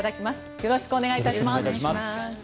よろしくお願いします。